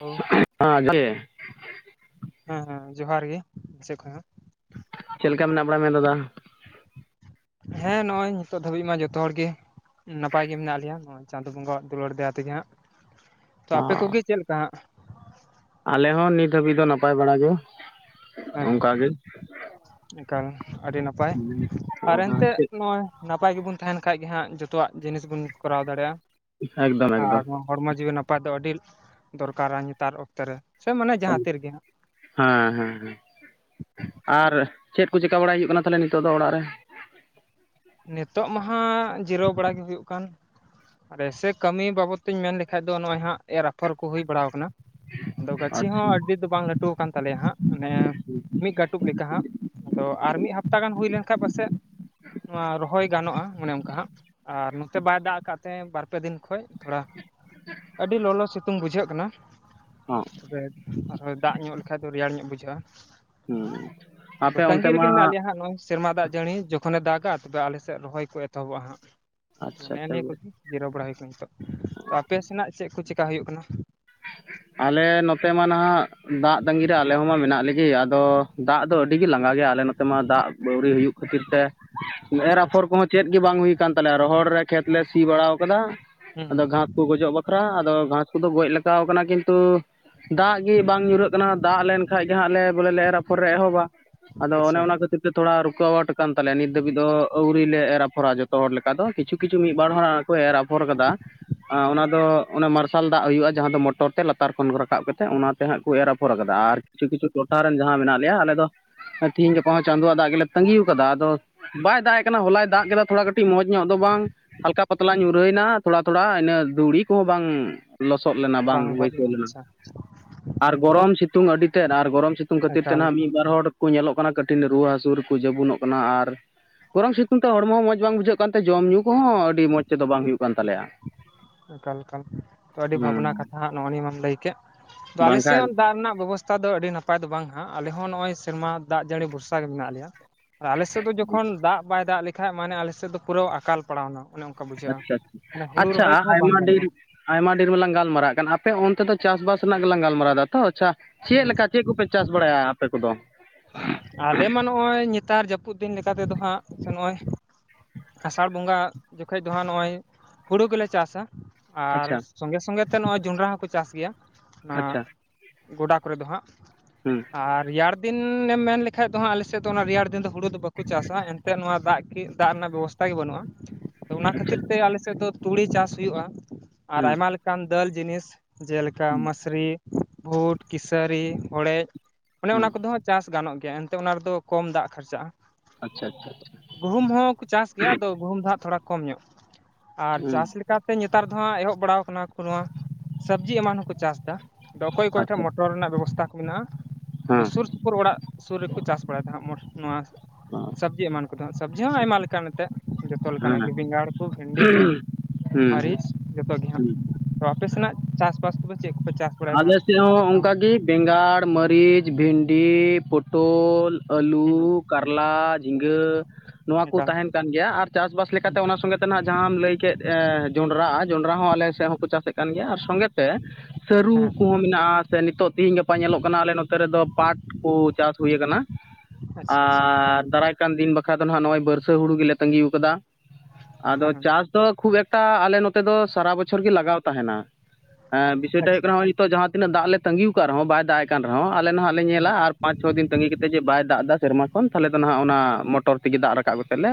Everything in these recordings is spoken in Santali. ᱦᱮᱞᱳ ᱦᱸ ᱠᱮ ᱾ ᱦᱮᱸ ᱦᱮᱸ ᱡᱚᱦᱟᱨ ᱜᱮ, ᱤᱧ ᱥᱮᱫ ᱠᱷᱚᱡ ᱦᱚᱸ ᱾ ᱪᱮᱫ ᱞᱮᱠᱟ ᱢᱮᱱᱟᱜ ᱵᱟᱲᱟ ᱢᱮᱭᱟ, ᱫᱟᱫᱟ? ᱦᱮᱸ, ᱱᱚᱜᱼᱚᱭ ᱱᱤᱛᱚᱜ ᱫᱷᱟᱹᱵᱤᱡ ᱢᱟ, ᱡᱚᱛᱚ ᱦᱚᱲ ᱜᱮ ᱱᱟᱯᱟᱭ ᱜᱮ ᱢᱮᱱᱟᱜ ᱞᱮᱭᱟ, ᱱᱚᱜ ᱪᱟᱸᱫᱚ ᱵᱚᱸᱜᱟ ᱣᱟᱜ ᱫᱩᱞᱟᱹᱲ ᱫᱟᱭᱟ ᱛᱮᱜᱮ ᱦᱟᱸᱜ, ᱛᱚ, ᱚ ᱟᱯᱮ ᱠᱚ ᱜᱮ, ᱪᱮᱫ ᱞᱮᱠᱟ ᱦᱟᱸᱜ ᱾ ᱟᱞᱮ ᱦᱚᱸ, ᱱᱤᱛ ᱦᱟᱹᱵᱤᱡ ᱫᱚ, ᱱᱟᱯᱟᱭ ᱵᱟᱲᱟ ᱜᱮ, ᱚᱱᱠᱟ ᱜᱮ ᱾ ᱮᱱᱠᱷᱟᱱ ᱟᱹᱰᱤ ᱱᱟᱯᱟᱭ, ᱟᱨ ᱮᱱᱛᱮᱫ ᱱᱚᱜᱼᱚᱭ, ᱱᱟᱯᱟᱭ ᱜᱮ ᱵᱚᱱ, ᱛᱟᱦᱮᱱ ᱠᱷᱟᱡ ᱜᱮ ᱦᱟᱸᱜ, ᱡᱚᱛᱚᱣᱟᱜ ᱡᱤᱱᱤᱥ ᱵᱚᱱ, ᱠᱚᱨᱟᱣ ᱫᱟᱲᱮᱭᱟᱜᱼᱟ, ᱮᱠᱫᱚᱢ ᱟᱨ ᱮᱠᱫᱚᱢ ᱦᱚᱸ ᱾ ᱦᱚᱲᱢᱚ ᱡᱤᱣᱤ ᱱᱟᱯᱟᱭ ᱫᱚ, ᱟᱹᱰᱤ ᱫᱚᱨᱠᱟᱨᱟ ᱱᱮᱛᱟᱨ ᱚᱠᱛᱚ ᱨᱮ, ᱥᱮ ᱢᱟᱱᱮ ᱡᱟᱦᱟᱸ ᱛᱤ ᱨᱮᱜᱮ ᱦᱟᱸᱜ ᱾ ᱦᱟᱸ ᱦᱟᱸ ᱦᱟᱸ, ᱟᱨ ᱪᱮᱫ ᱠᱚ ᱪᱮᱠᱟ ᱵᱟᱲᱟ ᱦᱩᱭᱩᱜ ᱠᱟᱱᱟ, ᱛᱟᱦᱚᱞᱮ ᱱᱤᱛᱚᱜ ᱫᱚ ᱚᱲᱟᱜ ᱨᱮ? ᱱᱤᱛᱚᱜ ᱢᱟ ᱦᱟᱸᱜ, ᱡᱤᱨᱟᱹᱣ ᱵᱟᱲᱟ ᱜᱮ, ᱦᱩᱭᱩᱜ ᱠᱟᱱ, ᱟᱨ, ᱟᱭᱥᱮ ᱠᱟᱹᱢᱤ ᱵᱟᱵᱚᱛ ᱛᱮᱧ ᱢᱮᱱ ᱞᱮᱠᱷᱟᱱᱡ ᱫᱚ, ᱱᱚᱜᱼᱚᱭ ᱦᱟᱸᱜ, ᱮᱨ ᱟᱯᱷᱚᱨ ᱠᱚ, ᱦᱩᱭ ᱵᱟᱲᱟ ᱟᱠᱟᱱᱟ ᱾ ᱟᱫᱚ, ᱜᱟᱹᱪᱷᱤ ᱟᱪᱪᱷᱟ ᱦᱚᱸ ᱟᱹᱰᱤ ᱫᱚ ᱵᱟᱝ ᱞᱟᱹᱴᱩ ᱟᱠᱟᱱ ᱛᱟᱞᱮᱭᱟ ᱦᱟᱸᱜ, ᱚᱱᱮ ᱢᱤᱫ ᱠᱟᱹᱴᱩᱵ ᱞᱮᱠᱟ ᱦᱟᱸᱜ ᱾ ᱟᱫᱚ, ᱟᱨ ᱢᱤᱫ ᱦᱟᱯᱛᱟ ᱜᱟᱱ, ᱦᱩᱭ ᱞᱮᱱ ᱠᱷᱟᱱᱡ ᱯᱟᱥᱮᱫ ᱱᱚᱣᱟ ᱨᱚᱦᱚᱭ ᱜᱟᱱᱚᱜᱼᱟ, ᱚᱱᱮ ᱚᱱᱠᱟ ᱦᱟᱸᱜ, ᱟᱨ ᱱᱚᱛᱮ ᱵᱟᱭ ᱫᱟᱜ ᱟᱠᱟᱫ ᱛᱮ, ᱵᱟᱨ ᱯᱮ ᱫᱤᱱ ᱠᱷᱚᱡ, ᱛᱷᱚᱲᱟ ᱟᱹᱰᱤ ᱞᱚᱞᱚ ᱥᱤᱛᱩᱝ ᱵᱩᱡᱷᱟᱹᱜ ᱠᱟᱱᱟ ᱾ ᱦᱚᱸᱜ ᱾ [inaudible] ᱛᱚᱵᱮ, ᱟᱨᱦᱚ ᱫᱟᱜ ᱧᱚᱜ ᱞᱮᱠᱷᱟᱡ ᱫᱚ, ᱨᱮᱭᱟᱲ ᱧᱚᱜ ᱵᱩᱡᱷᱟᱹᱜᱼᱟ ᱦᱩᱸ ᱾ ᱟᱫᱚ ᱟᱯᱮ ᱚᱱᱛᱮ ᱛᱟᱺᱜᱤ ᱨᱮᱜᱮ, ᱢᱟ ᱢᱮᱱᱟᱜ ᱞᱮᱭᱟ ᱦᱟᱸᱜ, ᱱᱚᱜᱼᱚᱭ ᱾ ᱥᱮᱨᱢᱟ ᱫᱟᱜ ᱡᱟᱹᱲᱤ, ᱡᱚᱠᱷᱚᱱᱮ ᱫᱟᱜᱟ ᱛᱚᱵᱮ, ᱟᱞᱮ ᱥᱮᱫ ᱨᱚᱦᱚᱭ ᱠᱚ, ᱮᱛᱚᱦᱚᱵᱚᱜᱼᱟ ᱦᱟᱸᱜ, ᱟᱪᱪᱷᱟ ᱱᱮᱜᱼᱮ ᱱᱤᱭᱟᱹ ᱟᱪᱪᱷᱟ ᱠᱚᱜᱮ ᱾ ᱡᱤᱨᱟᱹᱣ ᱵᱟᱲᱟ, ᱦᱩᱭ ᱟᱠᱟᱱᱟ ᱱᱤᱛᱚᱜ ᱾ ᱛᱚ, ᱟᱯᱮ ᱥᱮᱱᱟᱜ ᱪᱮᱫ ᱠᱚ, ᱪᱮᱠᱟ ᱦᱩᱭᱩᱜ ᱠᱟᱱᱟ? ᱟᱞᱮ ᱱᱚᱛᱮ ᱢᱟ ᱱᱷᱟᱜ, ᱫᱟᱜ ᱛᱟᱸᱜᱤ ᱨᱮ, ᱟᱞᱮ ᱢᱟ ᱢᱮᱱᱟᱜ ᱞᱮᱜᱮ, ᱟᱫᱚ ᱫᱟᱜ ᱫᱚ ᱟᱹᱰᱤ ᱜᱮ, ᱞᱟᱸᱜᱟ ᱜᱮᱭᱟ ᱾ ᱟᱞᱮ ᱱᱚᱛᱮ ᱢᱟ, ᱫᱟᱜ ᱵᱟᱹᱣᱨᱤ ᱦᱩᱭᱩᱜ ᱠᱷᱟᱹᱛᱤᱨ ᱛᱮ, ᱮᱨ ᱟᱯᱷᱚᱨ ᱟᱪᱪᱷᱟ ᱠᱚᱦᱚᱸ ᱪᱮᱫ ᱜᱮ, ᱵᱟᱝ ᱦᱩᱭ ᱠᱟᱱ ᱛᱟᱞᱮᱭᱟ ᱾ ᱨᱚᱦᱚᱲ ᱨᱮ ᱠᱷᱮᱛ ᱞᱮ ᱥᱤ ᱵᱟᱲᱟᱣ ᱟᱠᱟᱫᱟ, ᱦᱩᱸ ᱦᱩᱸ ᱟᱫᱚ ᱜᱷᱟᱸᱥ ᱠᱚ ᱜᱚᱡᱚᱜ ᱯᱨᱟ ᱟᱫᱚ, ᱜᱷᱟᱥ ᱠᱚᱫᱚ ᱜᱚᱡ ᱞᱮᱠᱟᱶ ᱟᱠᱟᱱᱟ, ᱠᱤᱱᱛᱩ ᱫᱟᱜ ᱜᱮ ᱵᱟᱝ ᱧᱩᱨᱦᱟᱹᱜ ᱠᱟᱱᱟ, ᱫᱟᱜ ᱞᱮᱱ ᱠᱷᱟᱱᱡ ᱜᱮ ᱦᱟᱹᱜ, ᱞᱮ ᱵᱚᱞᱮ ᱮᱨ ᱟᱯᱷᱚᱨ ᱨᱮ ᱮᱦᱚᱵᱟ, ᱟᱫᱚ ᱚᱱᱮ ᱟᱪᱪᱷᱟ ᱚᱱᱟ ᱟᱪᱪᱷᱟ ᱠᱷᱟᱹᱛᱤᱨ ᱛᱷᱚᱲᱟ, ᱨᱩᱠᱟᱟᱹᱣᱟᱴ ᱟᱠᱟᱱ ᱛᱟᱞᱮᱭᱟ, ᱱᱤᱛ ᱫᱷᱟᱹᱵᱤᱡ ᱫᱚ, ᱟᱹᱣᱨᱤ ᱞᱮ ᱮᱨ ᱟᱯᱷᱚᱨᱟ, ᱡᱚᱛᱚ ᱦᱚᱲ ᱞᱮᱠᱟ ᱫᱚ, ᱠᱤᱪᱷᱩ ᱠᱤᱪᱷᱩ ᱢᱤᱫ ᱵᱟᱨ ᱦᱚᱲ ᱠᱚ ᱮᱨ ᱟᱯᱷᱚᱨ ᱟᱠᱟᱫᱟ, ᱚᱱᱟ ᱟᱪᱪᱷᱟ ᱫᱚ, ᱚᱱᱟ ᱢᱟᱨᱥᱟᱞ ᱫᱟᱜ ᱦᱩᱭᱩᱜᱼᱟ ᱾ ᱡᱟᱦᱟᱸ ᱫᱚ ᱢᱚᱴᱚᱨ ᱛᱮ, ᱞᱟᱛᱟᱨ ᱠᱷᱚᱱ ᱠᱚ ᱨᱟᱠᱟᱵ ᱠᱟᱛᱮ, ᱚᱱᱟᱛᱮ ᱦᱟᱸᱜ ᱠᱚ, ᱮᱨ ᱟᱯᱷᱚᱨ ᱟᱠᱟᱫᱟ, ᱟᱨ ᱠᱤᱪᱷᱩ ᱠᱤᱪᱷᱩ ᱴᱚᱴᱷᱟ ᱨᱮᱱ, ᱡᱟᱦᱟᱸ ᱢᱮᱱᱟᱜ ᱞᱮᱭᱟ, ᱟᱞᱮ ᱫᱚ ᱛᱤᱦᱤᱧ ᱜᱟᱯᱟ ᱦᱚᱸ, ᱪᱟᱸᱫᱳᱣᱟᱜ ᱫᱟᱜ ᱜᱮᱞᱮ, ᱛᱟᱸᱜᱤ ᱦᱮᱸ ᱟᱠᱟᱫᱟ, ᱟᱫᱚ ᱵᱟᱭ ᱫᱟᱜᱼᱮ ᱠᱟᱱᱟ, ᱦᱚᱞᱟᱭ ᱫᱟᱜ ᱠᱮᱫᱟ ᱛᱷᱚᱲᱟ ᱠᱟᱹᱴᱤᱡ, ᱢᱚᱸᱡᱽ ᱧᱚᱜ ᱫᱚ ᱵᱟᱝ ᱾ ᱦᱟᱞᱠᱟ ᱯᱟᱛᱞᱟ ᱧᱩᱨᱦᱟᱹᱭᱮᱱᱟ, ᱛᱷᱚᱲᱟ ᱛᱷᱚᱲᱟ, ᱤᱱᱟᱹ ᱫᱩᱲᱤ ᱠᱚᱦᱚᱸ ᱵᱟᱝ ᱞᱚᱥᱚᱫ ᱞᱮᱱᱟ ᱵᱟᱝ ᱵᱟᱹᱭᱠᱟᱹᱣ ᱞᱮᱱᱟ᱾ ᱟᱨ ᱜᱚᱨᱚᱢ ᱥᱤᱛᱩᱝ ᱟᱹᱰᱤ ᱛᱮᱫ ᱟᱨ ᱜᱚᱨᱚᱢ ᱥᱤᱛᱩᱝ ᱠᱷᱟᱹᱛᱤᱨ ᱛᱮ ᱮᱠᱟᱞ ᱱᱟᱦᱟᱜ ᱢᱤᱫ ᱵᱟᱨ ᱦᱚᱲ ᱠᱚ ᱧᱮᱞᱚᱜ ᱠᱟᱱᱟ ᱠᱟᱹᱴᱤᱱ ᱨᱩᱣᱟᱹ ᱦᱟᱹᱥᱩ ᱠᱚ ᱡᱟᱹᱵᱚᱱᱚᱜ ᱠᱟᱱᱟ ᱟᱨ ᱜᱚᱨᱚᱢ ᱥᱤᱛᱩᱝ ᱛᱮ ᱦᱚᱲᱢᱚ ᱦᱚᱸ ᱢᱚᱸᱡᱽ ᱵᱟᱝ ᱵᱩᱡᱷᱟᱹᱜ ᱠᱟᱱᱛᱮ ᱡᱚᱢ ᱧᱩ ᱠᱚᱦᱚᱸ ᱟᱹᱰᱤ ᱢᱚᱸᱡᱽ ᱛᱮᱫᱚ ᱵᱟᱝ ᱦᱩᱭᱩᱜ ᱠᱟᱱ ᱛᱟᱞᱮᱭᱟ᱾ ᱮᱠᱟᱞ ᱮᱠᱟᱱ ᱛᱚ ᱟᱹᱰᱤ ᱦᱮᱸ ᱵᱷᱟᱵᱱᱟ ᱠᱟᱛᱷᱟ ᱦᱟᱹᱜ ᱱᱚᱜᱼᱚ ᱱᱤᱭᱟᱹ ᱢᱟᱢ ᱞᱟᱹᱭ ᱠᱮᱫ, ᱛᱚ ᱟᱞᱮ ᱥᱮᱫ ᱵᱟᱝᱠᱷᱟᱡ ᱦᱚᱸ ᱫᱟᱜ ᱨᱮᱱᱟᱜ ᱵᱮᱵ ᱫᱚ ᱟᱹᱰᱤ ᱱᱟᱯᱟᱭ ᱫᱚ ᱵᱟᱝ ᱦᱟᱸᱜ ᱟᱞᱮ ᱦᱚᱸ ᱱᱚᱜᱼᱚᱭ ᱥᱮᱨᱢᱟ ᱫᱟᱜ ᱡᱟᱹᱲᱤ ᱵᱷᱚᱨᱥᱟ ᱜᱮ ᱢᱮᱱᱟᱜ ᱞᱮᱭᱟ᱾ ᱟᱨ ᱟᱞᱮᱥᱮᱫ ᱫᱚ ᱡᱚᱠᱷᱚᱱ ᱫᱟᱜ ᱵᱟᱭ ᱫᱟᱜ ᱞᱮᱠᱷᱟᱱ ᱢᱟᱱᱮ ᱟᱞᱮᱥᱮᱫ ᱫᱚ ᱯᱩᱨᱟᱹ ᱟᱠᱟᱞ ᱯᱟᱲᱟᱣᱱᱟ᱾ᱚᱱ ᱟᱪᱪᱷᱟ ᱟᱪᱪᱷᱟ ᱟᱪᱪᱷᱟ ᱟᱭᱢᱟ ᱫᱤᱱ ᱜᱟᱱᱚᱜᱼᱟ ᱟᱭᱢᱟ ᱰᱷᱮᱨ ᱢᱟ ᱞᱟᱝ ᱜᱟᱞᱢᱟᱨᱟᱜ ᱠᱟᱱ ᱟᱯᱮ ᱚᱱᱛᱮ ᱫᱚ ᱪᱟᱥᱵᱟᱥ ᱨᱮᱱᱟᱜ ᱜᱮᱞᱟᱝ ᱜᱟᱞᱢᱟᱨᱟᱣ ᱫᱟ ᱛᱚ ᱪᱷᱟ ᱪᱮᱫ ᱦᱮᱸ ᱞᱮᱠᱟ ᱪᱮᱫ ᱠᱚᱯᱮ ᱪᱟᱥ ᱵᱟᱲᱟᱭᱟ ᱟᱯᱮ ᱠᱚᱫᱚ? ᱟᱞᱮ ᱢᱟ ᱱᱚᱜᱼᱚᱭ ᱱᱮᱛᱟᱨ ᱡᱟᱹᱯᱩᱫ ᱫᱤᱱ ᱞᱮᱠᱟᱛᱮᱫᱚ ᱦᱟᱸᱜ ᱥᱮ ᱱᱚᱜᱼᱚᱭ ᱟᱥᱟᱲ ᱵᱚᱸᱜᱟ ᱡᱚᱠᱷᱚᱱ ᱫᱚ ᱦᱟᱸᱜ ᱱᱚᱜᱼᱚᱭ ᱦᱩᱲᱳ ᱜᱮᱞᱮ ᱪᱟᱥᱟ᱾ ᱟᱨ ᱟᱪᱪᱷᱟ ᱥᱚᱸᱜᱮ ᱥᱚᱸᱜᱮᱛᱮ ᱱᱚᱜᱼᱚᱭ ᱡᱚᱱᱰᱨᱟ ᱦᱚᱸᱠᱚ ᱪᱟᱥ ᱜᱮᱭᱟ᱾ ᱟ ᱟᱪᱪᱷᱟ ᱜᱚᱰᱟ ᱠᱚᱨᱮ ᱫᱚ ᱦᱟᱸᱜ᱾ ᱦᱩᱸ ᱟᱨ ᱨᱮᱭᱟᱲ ᱫᱤᱱ ᱮᱢ ᱢᱮᱱ ᱞᱮᱠᱷᱟᱡ ᱫᱚ ᱦᱟᱸᱜ ᱟᱞᱮᱥᱮᱫ ᱫᱚ ᱚᱱᱟ ᱨᱮᱭᱟᱲ ᱫᱤᱱ ᱫᱚ ᱦᱩᱲᱩ ᱫᱚ ᱵᱟᱠᱚ ᱪᱟᱥᱟ᱾ ᱮᱱᱛᱮ ᱱᱚᱣᱟ ᱫᱟᱜ ᱫᱟᱜ ᱨᱮᱱᱟᱜ ᱜᱴᱟᱜ ᱜᱮ ᱵᱟᱹᱱᱩᱜᱼᱟ ᱾ ᱚᱱᱟ ᱟᱪᱪᱷᱟ ᱠᱷᱟᱹᱛᱤᱨ ᱛᱮ ᱟᱞᱮ ᱥᱮᱫ ᱫᱚ ᱛᱩᱲᱤ ᱪᱟᱥ ᱦᱩᱭᱩᱜᱼᱟ᱾ ᱟᱨ ᱦᱮᱸ ᱟᱭᱢᱟ ᱞᱮᱠᱟᱱ ᱫᱟᱹᱞ ᱡᱤᱱᱤᱥ᱾ ᱡᱮᱞᱮᱠᱟ ᱦᱮᱸ ᱢᱥᱨᱤ, ᱵᱷᱩᱴ, ᱠᱤᱥᱟᱹᱨᱤ, ᱦᱚᱲᱮᱡ, ᱚᱱᱮ ᱦᱮᱸ ᱚᱱᱟ ᱠᱚ ᱪᱟᱥ ᱜᱟᱱᱚᱜ ᱜᱮᱭᱟ ᱮᱱᱛᱮ ᱚᱱᱟ ᱨᱮᱫᱚ ᱠᱚᱢ ᱫᱟᱜ ᱠᱷᱟᱨᱪᱟᱜᱼᱟ᱾ ᱟᱪᱪᱷᱟ ᱟᱪᱪᱷᱟ ᱜᱩᱦᱩᱢ ᱦᱚᱸᱠᱚ ᱪᱟᱥ ᱜᱮᱭᱟ ᱫᱚ ᱜᱩᱦᱩᱢ ᱫᱟᱜ ᱛᱷᱚᱲᱟ ᱠᱚᱢ ᱧᱚᱜ ᱟᱨ ᱦᱮᱸ ᱪᱟᱥ ᱞᱮ ᱱᱮᱛᱟᱨ ᱫᱚ ᱦᱟᱸᱜ ᱮᱦᱚᱵ ᱵᱟᱲᱟᱟᱣ ᱟᱠᱟᱱᱟ ᱠᱚ ᱱᱚᱣᱟ ᱥᱚᱵᱽᱡᱤ ᱮᱢᱟᱱ ᱦᱚᱸᱠᱚ ᱪᱟᱥ ᱮᱫᱟ᱾ ᱟᱫᱚ ᱚᱠᱚᱭ ᱟᱪᱪᱷᱟ ᱚᱠᱚᱭᱴᱷᱮᱱ ᱢᱚᱴᱚᱨ ᱨᱮᱱᱟᱜ ᱵᱮᱵᱚᱥᱛᱷᱟ ᱠᱚ ᱢᱮᱱᱟᱜᱼᱟ᱾ ᱟᱫᱚ ᱥᱩᱨ ᱦᱮᱸ ᱚᱲᱟᱜ ᱥᱩᱨ ᱨᱮᱠᱚ ᱪᱟᱥ ᱵᱟᱲᱟᱭᱮᱫᱟ ᱦᱟᱸᱜ ᱱᱚᱣᱟ᱾ ᱦᱮᱸ ᱥᱚᱵᱽᱡᱤ ᱮᱢᱟᱱ ᱠᱚᱫᱚ ᱥᱚᱵᱽᱡᱤ ᱦᱚᱸ ᱟᱭᱢᱟ ᱞᱮᱠᱟᱱ ᱡᱚᱛᱚ ᱦᱮᱸ ᱞᱮᱠᱟᱱᱟᱜ ᱜᱮ ᱵᱮᱸᱜᱟᱲ ᱠᱚ ᱵᱷᱮᱱᱰᱤ ᱠᱚ ᱦᱮᱸ ᱦᱮᱸ ᱢᱟᱹᱨᱤᱪ ᱡᱚᱛᱚ ᱜᱮ ᱦᱟᱸᱜ᱾ ᱦᱮᱸ ᱛᱚ ᱟᱯᱮ ᱥᱮᱱᱟᱜ ᱪᱟᱥᱵᱟᱥ ᱠᱚᱫᱚ ᱪᱮᱫ ᱠᱚᱯᱮ ᱪᱟᱥ ᱵᱟᱲᱟᱭᱟ ᱟᱞᱮ ᱥᱮᱫ ᱦᱚᱸ ᱦᱟᱸᱜ? ᱚᱱᱠᱟ ᱜᱮ ᱵᱮᱸᱜᱟᱲ, ᱢᱟᱹᱨᱤᱪ, ᱵᱷᱤᱱᱰᱤ, ᱯᱳ ᱴᱚᱞ, ᱦᱩᱸ ᱟᱹᱞᱩ, ᱠᱟᱨᱞᱟ, ᱡᱷᱤᱸᱜᱟᱹ ᱱᱚᱣᱟ ᱠᱚ ᱮᱠᱟᱞ ᱛᱟᱦᱮᱱ ᱠᱟᱱ ᱜᱮᱭᱟ ᱟᱨ ᱪᱟᱥᱵᱟᱥ ᱦᱩᱸ ᱞᱮᱠᱟᱛᱮ ᱚᱱᱟ ᱥᱚᱜ ᱛᱮ ᱱᱟᱜ ᱡᱟᱦᱟᱸᱢ ᱞᱟᱹᱭ ᱠᱮᱫ ᱮᱸ ᱡᱚᱸᱰᱨᱟ ᱡᱚᱸᱰᱨᱟ ᱦᱚᱸ ᱟᱞᱮ ᱥᱮᱫ ᱦᱚᱸᱠᱚ ᱪᱟᱥᱮᱫ ᱠᱟᱱ ᱜᱮᱭᱟ ᱟᱨ ᱥᱚᱸᱜᱮ ᱛᱮ ᱥᱟᱹᱨᱩ ᱦᱮᱸ ᱠᱚᱦᱚᱸ ᱢᱮᱱᱟᱜᱼᱟ ᱥᱮ ᱱᱤᱛᱚᱜ ᱛᱮᱦᱮᱧ ᱜᱟᱯᱟ ᱧᱮᱞᱚᱜ ᱠᱟᱱᱟ ᱟᱞᱮ ᱱᱚ ᱛᱮ ᱨᱮᱫᱚ ᱯᱟᱴ ᱠᱚ ᱪᱟᱥ ᱦᱩᱭ ᱟᱠᱟᱱᱟ᱾ ᱟᱪᱪᱷᱟ ᱟᱪᱪᱷᱟ ᱟᱨ ᱫᱟᱨ ᱠᱟᱱ ᱫᱤᱱ ᱵᱟᱠᱷᱷᱟ ᱫᱚ ᱦᱟᱸᱜ ᱱᱚᱜᱼᱚᱭ ᱵᱟᱹᱨᱥᱟᱹ ᱦᱩᱲᱩ ᱜᱮᱞᱮ ᱛᱟᱸᱟᱹᱜᱤ ᱟᱠᱟᱫᱟ ᱾ᱟᱫᱚ ᱦᱮᱸ ᱦᱮᱸ ᱪᱟᱥ ᱛᱚ ᱠᱷᱩᱵ ᱮᱠᱴᱟ ᱟᱞᱮ ᱱᱚᱛᱮ ᱫᱚ ᱥᱟᱨᱟ ᱵᱚᱪᱷᱚᱨ ᱜᱮ ᱞᱟᱜᱟᱣ ᱛᱟᱦᱮᱱᱟ᱾ ᱦᱮᱸ ᱦᱩᱭᱩᱜ ᱠᱟᱱᱟ ᱟᱪᱪᱷᱟ ᱨᱮᱦᱚᱸ ᱱᱤᱛᱚᱜ ᱡᱟᱦᱟᱸ ᱛᱤᱱᱟᱹᱜ ᱫᱟᱜ ᱞᱮ ᱛᱟᱹᱜᱤᱣ ᱟᱠᱟᱫ ᱠᱟᱜ ᱨᱮᱦᱚᱸ ᱵᱟᱭ ᱫᱟᱜ ᱠᱟᱜ ᱨᱮᱦᱚ ᱦᱚᱸ ᱟᱮ ᱱᱟᱦᱟᱜ ᱞᱮ ᱦᱩᱸ ᱧᱮᱞᱟ ᱟᱨ ᱯᱟᱪ ᱪᱷᱚ ᱫᱤᱱ ᱛᱟᱹᱜᱤ ᱛᱮ ᱡᱮ ᱵᱟᱭ ᱫᱟᱜ ᱮᱫᱟ ᱥᱮᱨᱢᱟ ᱠᱷᱚᱱ ᱛᱟᱦᱚᱞᱮ ᱫᱚ ᱱᱟᱦᱟᱜ ᱚᱱᱟ ᱢᱚᱴᱚᱨ ᱛᱮᱜᱮ ᱫᱟᱜ ᱨᱟᱠᱟᱵ ᱠᱟᱛᱮ ᱞᱮ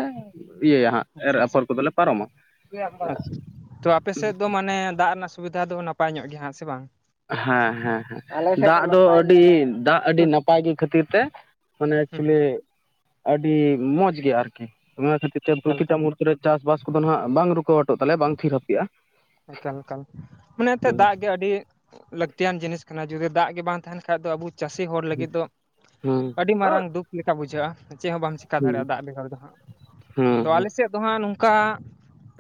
ᱤᱭᱟᱹᱭᱟ᱾ ᱦᱟᱜ ᱟᱪᱪᱷᱟ ᱟᱪᱪᱷᱟ ᱟᱪᱪᱷᱟ ᱛᱚ ᱟᱯᱮ ᱥᱮᱫ ᱫᱚ ᱢᱟᱱᱮ ᱫᱟᱜ ᱨᱮᱱᱟᱜ ᱥᱩᱵᱤᱫᱷᱟ ᱫᱚ ᱱᱟᱯᱟᱭ ᱧᱚᱜ ᱜᱮ ᱦᱟᱸᱜ ᱥᱮ ᱵᱟᱝ? ᱦᱮᱸ ᱦᱮᱸ ᱦᱮᱸ ᱫᱟᱜ ᱫᱚ ᱟᱹᱰᱤ ᱫᱟᱜ ᱟᱹᱰᱤ ᱱᱟᱯ ᱯᱟᱭ ᱜᱮ ᱠᱷᱟᱹᱛᱤᱨ ᱛᱮ ᱢᱟᱱᱮ ᱦᱩᱸ ᱮᱠᱪᱩᱮᱞᱤ ᱟᱹᱰᱤ ᱢᱚᱸᱡᱽ ᱜᱮ ᱟᱨᱠᱤ ᱚᱱᱟ ᱠᱷᱟᱹᱛᱤᱨ ᱥᱮ ᱮᱠᱟᱞ ᱮᱠᱟᱞ ᱯᱨᱚᱛᱤᱴᱟ ᱢᱩᱦᱩᱨᱛᱚ ᱨᱮ ᱪᱟᱥ ᱠᱚᱫᱚ ᱱᱟᱦᱟᱜ ᱵᱟᱝ ᱨᱩᱠᱟᱣᱚᱴᱚᱜ ᱛᱟᱞᱮᱭᱟ ᱵᱟᱝ ᱛᱷᱤᱨ ᱦᱟᱯᱮᱼᱟ᱾ ᱮᱠᱟᱞ ᱮᱠᱟᱞ ᱢᱟᱱᱮ ᱮᱱᱛᱮᱫ ᱦᱩᱸ ᱫᱟᱜ ᱜᱮ ᱟᱹᱰᱤ ᱞᱟᱹᱠᱛᱤᱭᱟᱱ ᱡᱤᱱᱤᱥ ᱠᱟᱱᱟ ᱡᱩᱫᱤ ᱫᱟᱜ ᱜᱮ ᱵᱟᱝ ᱛᱟᱦᱮᱱ ᱠᱷᱟᱡ ᱫᱚ ᱟᱵᱚ ᱪᱟᱹᱥᱤ ᱦᱚᱲ ᱞᱟᱹᱜᱤᱫ ᱫᱚ ᱦᱩᱸ ᱟᱹᱰᱤ ᱢᱟᱨᱟᱝ ᱫᱩᱠ ᱞᱮᱠᱟ ᱵᱩᱡᱷᱟᱹᱜᱼᱟ᱾ ᱪᱮᱫ ᱦᱚᱸ ᱵᱟᱢ ᱪᱮᱠᱟ ᱦᱩᱸ ᱫᱟᱲᱮᱭᱟᱜᱼᱟ ᱫᱟᱜ ᱵᱮᱜᱚᱨ ᱫᱚ ᱦᱟᱸᱜ ᱦᱩᱸ ᱟᱫᱚ, ᱦᱩᱸ ᱟᱞᱮ ᱥᱮᱫ ᱫᱚ ᱦᱟᱸᱜ ᱱᱚᱝᱠᱟ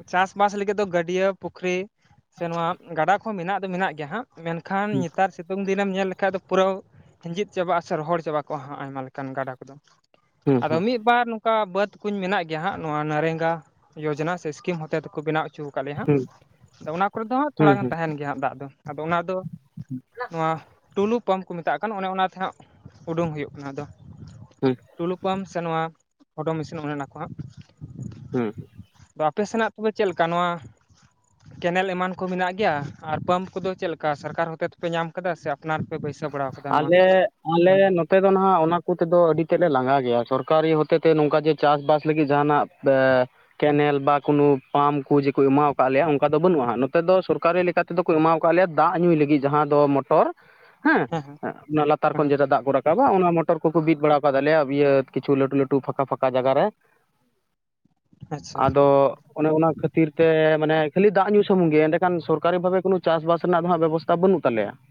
ᱪᱟᱥᱵᱟᱥ ᱞᱟᱹᱜᱤᱫ ᱫᱚ ᱜᱟᱹᱰᱭᱟᱹ ᱯᱩᱠᱷᱨᱤ ᱥᱮ ᱱᱚᱣᱟ ᱜᱟᱰᱟ ᱠᱚ ᱢᱮᱱᱟᱜ ᱫᱚ ᱢᱮᱱᱟᱜ ᱜᱮᱭᱟ ᱦᱟᱸᱜ ᱢᱮᱱᱠᱷᱟᱱ ᱱᱮᱛᱟᱨ ᱥᱤ ᱛᱩᱝ ᱫᱤᱱᱮᱢ ᱧᱮᱞ ᱞᱮᱠᱷᱟᱡ ᱫᱚ ᱯᱩᱨᱟᱹ ᱦᱤᱸᱡᱤᱫ ᱪᱟᱵᱟᱜᱼᱟ ᱥᱮ ᱨᱚᱦᱚᱲ ᱪᱟᱵᱟ ᱠᱚᱜᱼᱟ ᱦᱟᱸᱜ ᱟᱭᱢᱟ ᱞᱮᱠᱟᱱ ᱜᱟᱰᱟ ᱠᱚᱫᱚ᱾ ᱦᱩᱸ ᱟᱫᱚ ᱦᱩᱸ ᱢᱤᱫ ᱵᱟᱨ ᱱᱚᱝᱠᱟ ᱵᱟᱹᱫ ᱠᱩᱧ ᱢᱮᱱᱟᱜ ᱜᱮᱭᱟ ᱦᱟᱸᱜ ᱱᱚᱣᱟ ᱱᱟᱨᱮᱝᱜᱟ ᱡᱳᱡᱚᱱᱟ ᱥᱮ ᱥᱠᱤᱢ ᱦᱚᱛᱮ ᱛᱮᱠᱚ ᱵᱮᱱᱟᱣ ᱚᱪᱚ ᱠᱟᱜ ᱞᱮᱭᱟ ᱦᱟᱸᱜ ᱟᱫᱚ ᱚᱱᱟ ᱠᱚᱨᱮ ᱫᱚ ᱦᱟᱸᱜ ᱦᱩᱸ ᱛᱷᱚᱲᱟ ᱦᱩᱸ ᱜᱟᱱ ᱛᱟᱦᱮᱱ ᱜᱮᱭᱟ ᱦᱟᱸᱜ ᱫᱟᱜ ᱫᱚ ᱟᱫᱚ ᱚᱱᱟ ᱫᱚ ᱱᱚᱣᱟ ᱴᱩᱞᱩ ᱯᱟᱢᱯ ᱠᱚ ᱢᱮᱛᱟᱜ ᱠᱟᱱ ᱚᱱᱮ ᱚᱱᱟᱛᱮ ᱦᱟᱸᱜ ᱩᱰᱩᱝ ᱦᱳᱭᱳᱜ ᱠᱟᱱᱟ ᱟᱫᱚ ᱦᱩᱸ ᱾ ᱴᱩᱞᱩ ᱯᱟᱢᱯ ᱥᱮ ᱱᱚᱣᱟ ᱦᱚᱰᱳ ᱢᱮᱥᱤᱱ ᱚᱱᱮ ᱚᱱᱟ ᱠᱚ ᱦᱟᱸᱜ᱾ ᱦᱩᱸ ᱾ ᱟᱯᱮ ᱥᱮᱱᱟᱜ ᱠᱚᱜᱮ ᱪᱮᱫ ᱞᱮᱠᱟ ᱱᱚᱣᱟ ᱠᱮᱱᱮᱞ ᱮᱢᱟᱱ ᱠᱚ ᱢᱮᱱᱟᱜ ᱜᱮᱭᱟ ᱟᱨ ᱯᱟᱢᱯ ᱠᱚᱫᱚ ᱪᱮᱫ ᱞᱮᱠᱟ ᱥᱚᱨᱠᱟᱨ ᱦᱚᱛᱮ ᱛᱮᱯᱮ ᱧᱟᱢ ᱟᱠᱟᱫᱟ ᱥᱮ ᱟᱯᱱᱟᱨ ᱯᱮ ᱵᱟᱹᱭᱥᱟᱹᱣ ᱵᱟᱲᱟᱣ ᱠᱟᱫᱟ ᱱᱚᱣᱟ ᱾ ᱟᱞᱮ ᱟᱞᱮ ᱱᱚᱛᱮ ᱫᱚ ᱱᱟᱦᱟᱜ ᱚᱱᱟ ᱠᱚᱛᱮ ᱫᱚ ᱟᱹᱰᱤ ᱛᱮᱫ ᱞᱮ ᱞᱟᱸᱜᱟ ᱜᱮᱭᱟ ᱥᱚᱨᱠᱟᱨᱤ ᱦᱚᱛᱮᱛᱮ ᱱᱚᱝᱠᱟ ᱡᱮ ᱪᱟᱥᱵᱟᱥ ᱞᱟᱹᱜᱤᱫ ᱡᱟᱦᱟᱱᱟᱜ ᱵᱮ ᱠᱮᱱᱮᱞ ᱵᱟ ᱠᱳᱱᱳ ᱯᱟᱢᱯ ᱠᱚ ᱡᱮᱠᱚ ᱮᱢᱟᱣ ᱠᱟᱜ ᱞᱮᱭᱟ ᱚᱱᱠᱟ ᱫᱚ ᱵᱟᱹᱱᱩᱜᱼᱟ ᱱᱚᱛᱮ ᱫᱚ ᱥᱚᱨᱠᱟᱨᱤ ᱛᱮᱫᱚ ᱠᱚ ᱮᱢᱟᱣ ᱠᱟᱜ ᱞᱮᱭᱟ ᱫᱟᱜ ᱧᱩᱭ ᱞᱟᱹᱜᱤᱫ ᱡᱟᱦᱟᱸ ᱫᱚ ᱢᱚᱴᱚᱨ, ᱦᱮᱸᱦ ᱦᱮᱸ ᱾ ᱚᱱᱟ ᱞᱟᱛᱟᱨ ᱦᱮᱸ ᱠᱷᱚᱱ ᱦᱮᱸ ᱡᱮᱴᱟ ᱫᱟᱜ ᱠᱚ ᱨᱟᱠᱟᱵᱟ ᱚᱱᱟ ᱢᱚᱴᱚᱨ ᱠᱚᱠᱚ ᱵᱤᱫ ᱵᱟᱲᱟ ᱠᱟᱜ ᱞᱮᱭᱟ ᱤᱭᱟᱹ ᱠᱤᱪᱷᱩ ᱞᱟᱹᱴᱩ ᱞᱟᱹᱴᱩ ᱯᱷᱟᱸᱠᱟ ᱯᱷᱟᱸᱠᱟ ᱡᱟᱭᱜᱟ ᱨᱮ ᱟᱪᱪᱷᱟ ᱾ ᱟᱫᱚᱜ ᱾ ᱚᱱᱮ ᱚᱱᱟ ᱠᱷᱟᱹᱛᱤᱨ ᱛᱮ ᱢᱟᱱᱮ ᱠᱷᱟᱹᱞᱤ ᱫᱟᱜ ᱧᱩ ᱥᱩᱢᱩᱝ ᱜᱮ ᱮᱸᱰᱮ ᱠᱷᱟᱱ ᱥᱚᱨᱠᱟᱨᱤ ᱵᱷᱟᱵᱮ ᱠᱳᱱᱳ ᱪᱟᱥᱵᱟᱥ ᱨᱮᱱᱟᱜ ᱫᱚ ᱦᱟᱸᱜ ᱵᱮᱵᱚᱥ ᱵᱟᱹᱱᱩᱜ ᱛᱟᱞᱮᱭᱟ, ᱾